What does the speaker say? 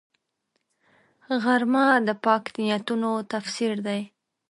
غرمه د پاک نیتونو تفسیر دی